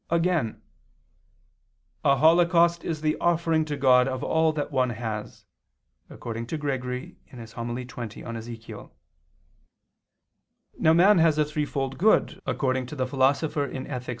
Again, "a holocaust is the offering to God of all that one has," according to Gregory (Hom. xx in Ezech.). Now man has a threefold good, according to the Philosopher (Ethic.